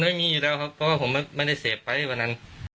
ไม่มีอยู่แล้วครับเพราะว่าผมไม่ได้เสพไปวันนั้น